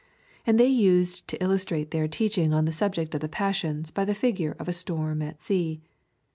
And they used to illustrate their teaching on the subject of the passions by the figure of a storm at sea.